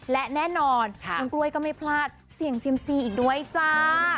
และแน่นอนคุณกล้วยก็ไม่พลาดเสี่ยงเซียมซีอีกด้วยจ้า